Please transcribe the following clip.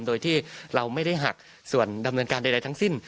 โดยที่เราไม่ได้หักส่วนดำเนินการใดทั้งสิ้น